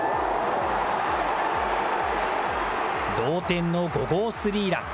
同点の５号スリーラン。